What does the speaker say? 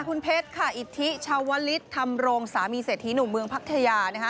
คุณเพชรค่ะอิทธิชาวลิสต์ทำรงสามีเศรษฐีหนุ่มเมืองพักทยา